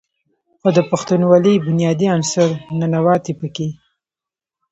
خو د پښتونولۍ بنيادي عنصر "ننواتې" پکښې